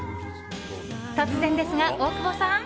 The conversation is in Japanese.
突然ですが、大久保さん。